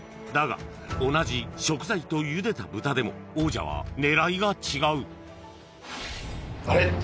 だが同じ食材と茹でた豚でも王者は狙いが違うあれ！？